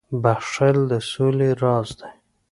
• بخښل د سولي راز دی.